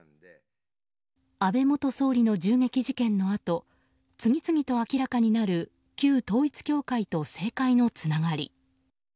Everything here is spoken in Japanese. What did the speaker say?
安倍元総理の銃撃事件のあと次々と明らかになる旧統一教会と政界のつながり。